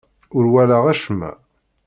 Ur walaɣ acemma.